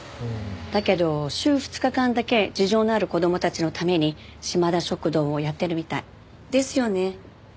だけど週２日間だけ事情のある子どもたちのためにしまだ食堂をやってるみたい。ですよね？